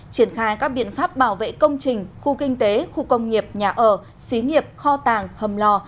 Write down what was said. triển khai các biện pháp bảo vệ công trình khu kinh tế khu công nghiệp nhà ở xí nghiệp kho tàng hầm lò